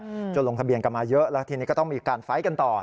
อืมจนลงทะเบียนกลับมาเยอะนะครับทีนี้ก็ต้องมีการไฟล์ก์กันต่อ